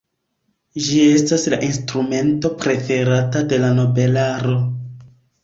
Ĝi estas la instrumento preferata de la nobelaro.